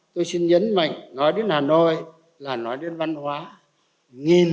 tôi xin nhấn mạnh nói đến hà nội tôi xin nhấn mạnh nói đến hà nội tôi xin nhấn mạnh nói đến hà nội tôi xin nhấn mạnh nói đến hà nội